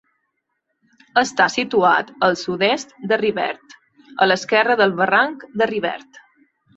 Està situat al sud-est de Rivert, a l'esquerra del barranc de Rivert.